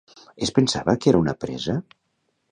Es pensava que era una presa?